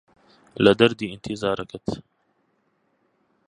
لە دەردی ئینتیزارەکەت